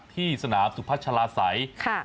ที่สนามสุพัชราสัยค่ะ